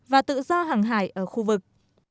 và tự do hàng hải ở khu vực